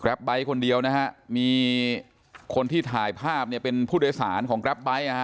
ไบท์คนเดียวนะฮะมีคนที่ถ่ายภาพเนี่ยเป็นผู้โดยสารของกราฟไบท์